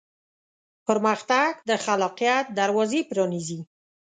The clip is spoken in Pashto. پرمختګ د خلاقیت دروازې پرانیزي.